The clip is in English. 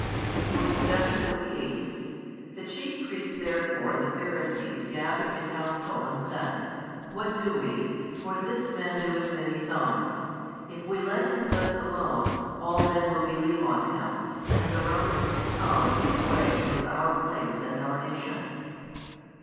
47, 48 The chief priests therefore and the Pharisees gathered a council, and said, What do we? for this Man doeth many signs. If we let Him thus alone, all men will believe on Him: and the Romans will come and take away both our place and our nation.